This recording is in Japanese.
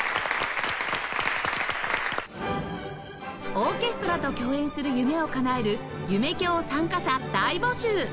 オーケストラと共演する夢をかなえる「夢響」参加者大募集